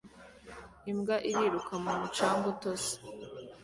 Imbwa iriruka mu mucanga utose